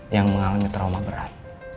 yang mengalami trauma berat